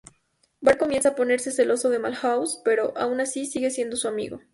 Bart comienza a ponerse celoso de Milhouse, pero, aun así, sigue siendo su amigo.